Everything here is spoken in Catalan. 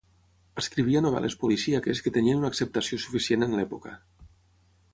Escrivia novel·les policíaques que tenien una acceptació suficient en l'època.